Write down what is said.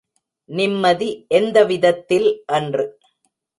நிம்மதி எந்த விதத்தில் என்று.